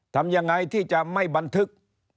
ทำยังไงที่จะไม่บันทึก